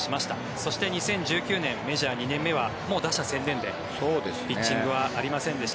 そして２０１９年メジャー２年目はもう打者専念でピッチングはありませんでした。